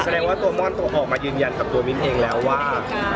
แสดงว่าตัวม่อนต้องออกมายืนยันกับตัวมิ้นเองแล้วว่า